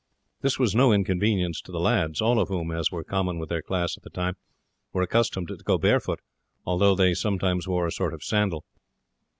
This was no inconvenience to the lads, all of whom, as was common with their class at the time, were accustomed to go barefoot, although they sometimes wore a sort of sandal.